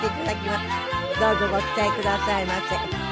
どうぞご期待くださいませ。